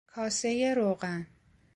کاسه روغن